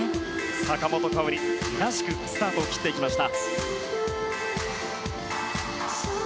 坂本花織らしくスタートを切っていきました。